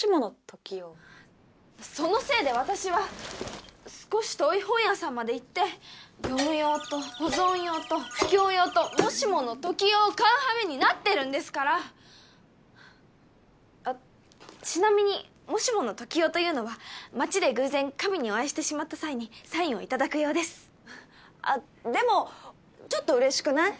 そのせいで私は少し遠い本屋さんまで行って読む用と保存用と布教用ともしもの時用を買うはめになってるんですからあっちなみにもしもの時用というのは街で偶然神にお会いしてしまった際にサインをいただく用ですあっでもちょっとうれしくない？